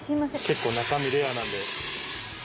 結構中身レアなんで。